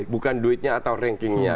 bukan duitnya atau rankingnya